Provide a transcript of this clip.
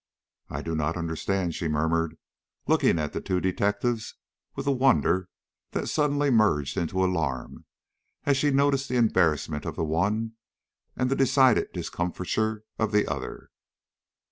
"I do not understand," she murmured, looking at the two detectives with a wonder that suddenly merged into alarm as she noticed the embarrassment of the one and the decided discomfiture of the other.